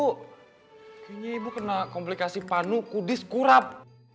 kayaknya ibu kena komplikasi panu kudis kurap